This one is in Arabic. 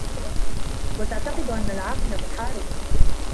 وَتَعْتَقِدُ أَنَّ الْعَاقِلَ مُحَارَفٌ